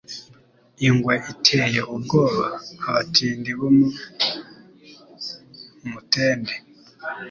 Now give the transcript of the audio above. Ingwe iteye ubwoba abatindi bo mu Mutende